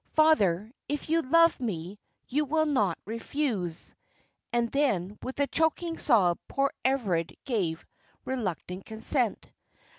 Father, if you love me, you will not refuse." And then, with a choking sob, poor Everard gave reluctant consent.